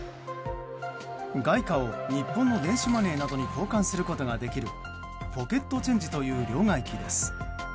外貨を日本の電子マネーなどに交換することができるポケットチェンジという両替機です。